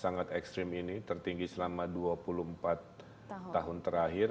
sangat ekstrim ini tertinggi selama dua puluh empat tahun terakhir